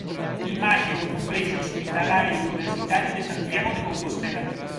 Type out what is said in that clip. Imaxe do Complexo Hospitalario Universitario de Santiago de Compostela.